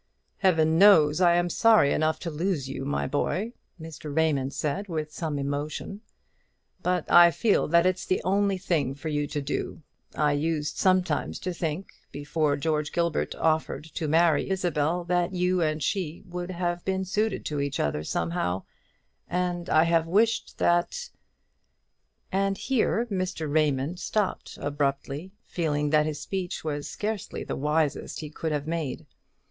"Heaven knows I am sorry enough to lose you, my boy," Mr. Raymond said with some emotion; "but I feel that it's the only thing for you to do. I used sometimes to think, before George Gilbert offered to marry Isabel, that you and she would have been suited to each other somehow; and I have wished that " And here Mr. Raymond stopped abruptly, feeling that this speech was scarcely the wisest he could have made.